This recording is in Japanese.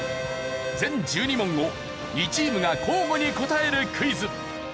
全１２問を２チームが交互に答えるクイズ。